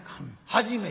「初めて」。